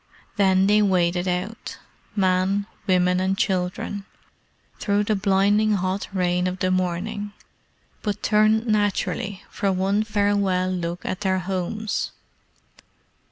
Then they waded out men, women, and children through the blinding hot rain of the morning, but turned naturally for one farewell look at their homes.